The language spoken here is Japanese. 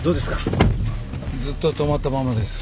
ずっと止まったままです。